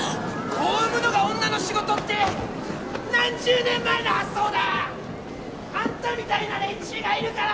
・子を産むのが女の仕事って何十年前の発想だ！あんたみたいな連中がいるから！